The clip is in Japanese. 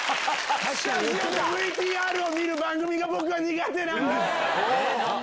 スタジオでＶＴＲを見る番組が僕は苦手なんです！